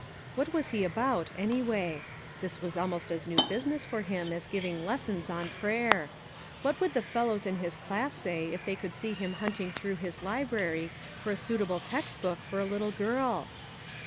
What was he about, any way ? This was almost as new busi ness for him as giving lessons on prayer. What would the fellows in his class say if they could see him hunting through his library for a suit able text book for a little girl